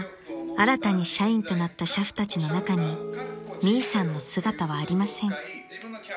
新たに社員となった俥夫たちの中にミイさんの姿はありません］